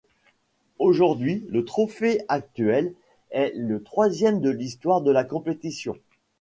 Aujourd'hui, le trophée actuel est le troisième de l'histoire de la compétition.